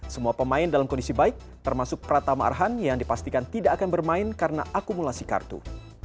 semua pemain dalam kondisi baik termasuk pratama arhan yang dipastikan tidak akan bermain karena akumulasi kartu